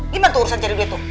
gimana tuh urusan cari duit tuh